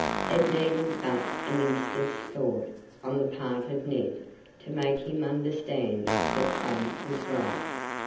It needed but an instant's thought on the part of Ned to make him understand that Tom was right.